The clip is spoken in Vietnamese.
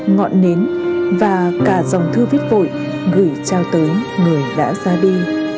ngọn nến và cả dòng thư viết vội gửi trao tới người đã ra đi